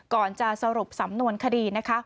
ก่อนจะสรุปสำนวนคดีนะคะ